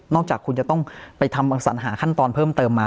จากคุณจะต้องไปทำสัญหาขั้นตอนเพิ่มเติมมา